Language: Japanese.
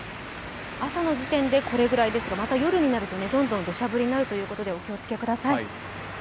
朝の時点でこれくらいですと、また夜になるとどんどん土砂降りになるということで、お気をつけください。